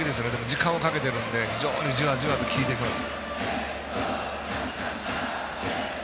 時間をかけているのでじわじわと効いてきます。